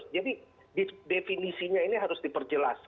jadi definisinya ini harus diperjelas